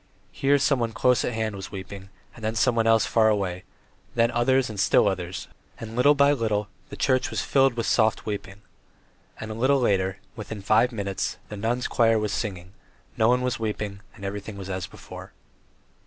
Here someone close at hand was weeping, then someone else farther away, then others and still others, and little by little the church was filled with soft weeping. And a little later, within five minutes, the nuns' choir was singing; no one was weeping and everything was as before.